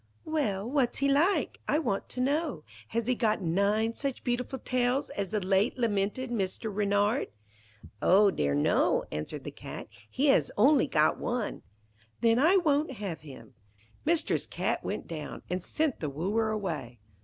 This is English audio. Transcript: "' 'Well, what's he like? I want to know. Has he got nine such beautiful tails as the late lamented Mr. Reynard?' 'Oh dear no,' answered the Cat. 'He has only got one.' 'Then I won't have him.' Mistress Cat went down, and sent the wooer away.